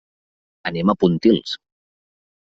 Anem a Pontils.